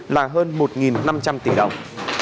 là hơn một năm trăm linh tỷ đồng